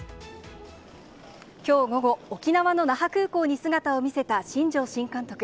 きょう午後、沖縄の那覇空港に姿を見せた新庄新監督。